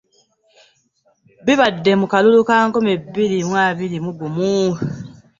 Bibadde mu kalulu ka nkumi bbiri mu abiri mu gumu.